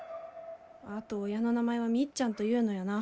あと親の名前はみっちゃんというのやな。